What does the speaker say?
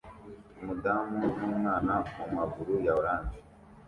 umudamu numwana mumaguru ya orange